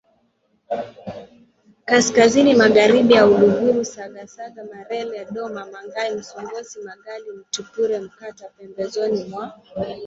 kaskazini Magharibi ya Uluguru Sangasanga Merela Doma Mangae Msongozi Magali Mtipure Mkata pembezoni mwa